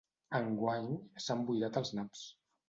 Enguany s'han boirat els naps.